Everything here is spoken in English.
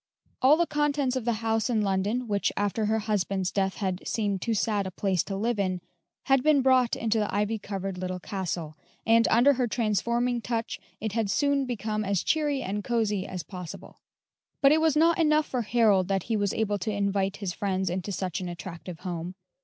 All the contents of the house in London, which after her husband's death had seemed too sad a place to live in, had been brought into the ivy covered little castle, and under her transforming touch it had soon become as cheery and cosey as possible. But it was not enough for Harold that he was able to invite his friends into such an attractive home.